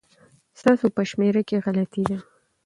ستاسو په شمېره کي غلطي ده